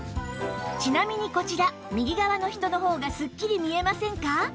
ちなみにこちら右側の人の方がすっきり見えませんか？